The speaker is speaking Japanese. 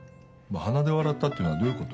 鼻で笑ったっていうのはどういう事？